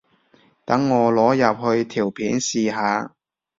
等我擺入去條片試下